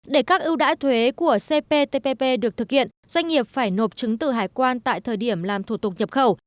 để các ưu đãi thuế của cptpp được thực hiện doanh nghiệp phải nộp chứng từ hải quan tại thời điểm làm thủ tục nhập khẩu